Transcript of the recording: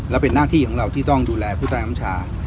และเป็นหน้าที่ของเราที่ต้องดูแลผู้ใต้น้ำชา